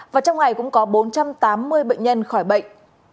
và trong ngày cũng có bốn trăm tám mươi bệnh nhân khỏi bệnh